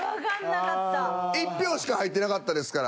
１票しか入ってなかったですから。